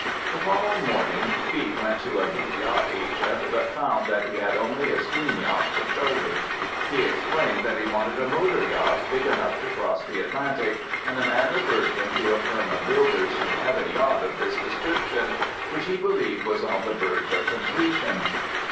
The following morning Fee went to a big yacht agent, but found that he had only a steam yacht for charter. He explained that he wanted a motor yacht big enough to cross the Atlantic, and the man referred him to a firm of builders who had a yacht of this description, which he believed was on the verge of completion.